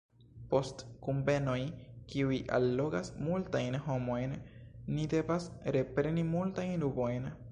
Post kunvenoj, kiuj allogas multajn homojn, ni devas repreni multajn rubojn.